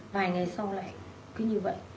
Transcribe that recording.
vài ngày sau lại cứ như vậy